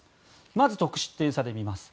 まず得失点差で見ます。